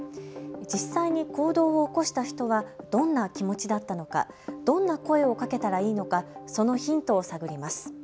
実際に行動を起こした人はどんな気持ちだったのか、どんな声をかけたらいいのかそのヒントを探ります。